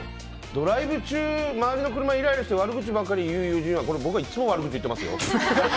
ドライブ中周りの車にイライラして悪口ばかり言う友人はいつも悪口を言ってますよ。